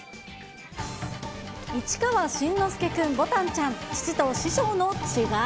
市川新之助君、ぼたんちゃん、父と師匠の違い。